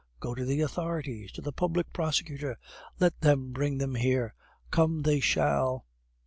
"Go to the authorities, to the Public Prosecutor, let them bring them here; come they shall!"